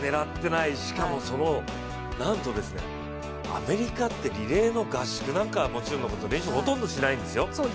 しかもなんとアメリカってリレーの合宿なんかはもちろんのこと練習ほとんどしないんですよ。